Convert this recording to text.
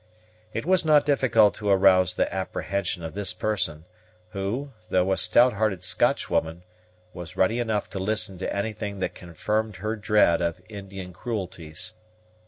It was not difficult to arouse the apprehension of this person, who, though a stout hearted Scotchwoman, was ready enough to listen to anything that confirmed her dread of Indian cruelties.